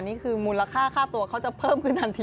นี่คือมูลค่าค่าตัวเขาจะเพิ่มขึ้นทันที